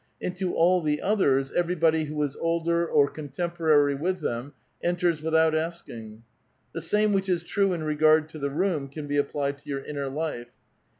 Into all the others, everyboily who is older or contemporarj' with them enters without asking. Tlie same which is true in regard to the room can be applied to your inner life.